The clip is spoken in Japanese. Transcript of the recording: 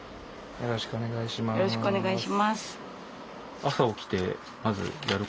よろしくお願いします。